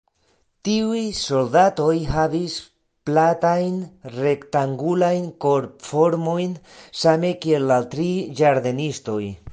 Tiuj soldatoj havis platajn rektangulajn korpformojn same kiel la tri ĝardenistoj.